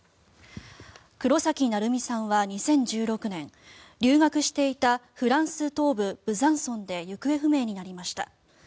黒崎愛海さんは２０１６年留学していたフランス東部ブザンソンで行方不明になりました。